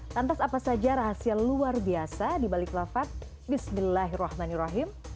lantas apa saja rahasia luar biasa di balik lafad bismillahirrahmanirrahim